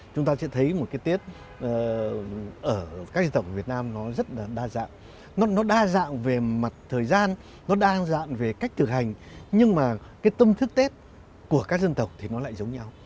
chúng ta sẽ thấy một cái tết ở các dân tộc việt nam nó rất là đa dạng nó đa dạng về mặt thời gian nó đa dạng về cách thực hành nhưng mà cái tâm thức tết của các dân tộc thì nó lại giống nhau